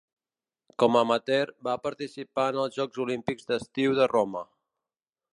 Com a amateur va participar en els Jocs Olímpics d'estiu de Roma.